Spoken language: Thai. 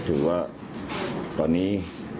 ถือว่าตอนนี้